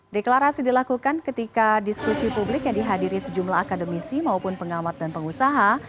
deklarasi dilakukan ketika diskusi publik yang dihadiri sejumlah akademisi maupun pengamat dan pengusaha